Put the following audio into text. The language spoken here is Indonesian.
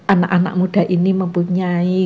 anak anak muda ini mempunyai